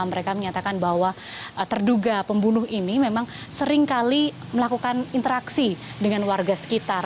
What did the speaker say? mereka menyatakan bahwa terduga pembunuh ini memang seringkali melakukan interaksi dengan warga sekitar